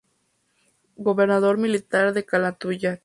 Gobernador Militar de Calatayud.